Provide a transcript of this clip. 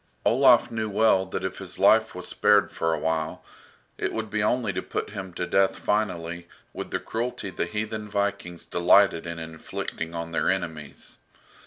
Olaf knew well that if his life was spared for a while it would be only to put him to death finally with the cruelty the heathen Vikings delighted in inflicting on their enemies.